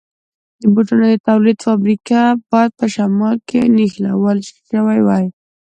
د بوټانو د تولید فابریکه باید په شمال کې نښلول شوې وای.